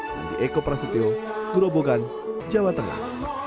handi eko prasetyo gerobogan jawa tengah